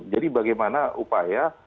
jadi bagaimana upaya